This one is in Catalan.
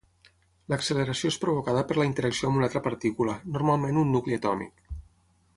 L'acceleració és provocada per la interacció amb una altra partícula, normalment un nucli atòmic.